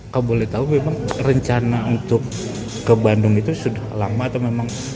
kamu boleh tahu memang rencana untuk ke bandung itu sudah lama atau memang